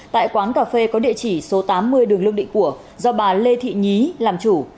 tại quán cà phê có địa chỉ số tám mươi đường lương định của do bà lê thị nhí làm chủ